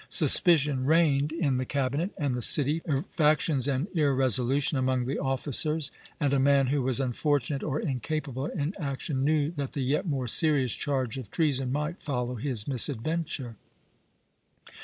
" Suspicion reigned in the cabinet and the city, factions and irresolution among the officers; and a man who was unfortunate or incapable in action knew that the yet more serious charge of treason might follow his misadventure.